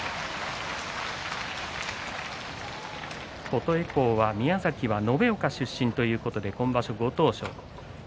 琴恵光は宮崎は延岡の出身ということで今場所はご当所。